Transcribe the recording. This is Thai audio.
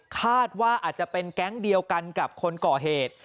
คาดว่าอาจจะเป็นแก๊งเดียวกันกับคนก่อเหตุ